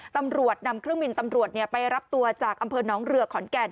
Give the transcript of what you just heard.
ตำรวจนำเครื่องบินตำรวจไปรับตัวจากอำเภอน้องเรือขอนแก่น